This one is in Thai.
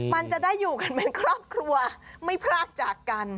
มันจะได้อยู่กันเป็นครอบครัวไม่พรากจากกัน